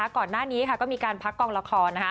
ก่อนหน้านี้ก็มีการพักกองละคร